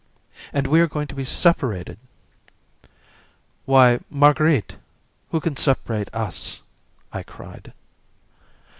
"And we are going to be separated!" "Why, Marguerite, who can separate us?" I cried.